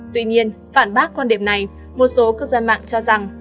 tuy nhiên phản bác quan điểm này một số cư dân mạng cho rằng